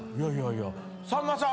さんまさん